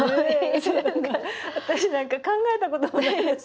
私なんか考えたこともないです